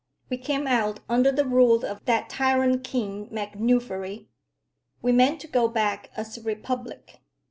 We came out under the rule of that tyrant King MacNuffery. We mean to go back as a republic.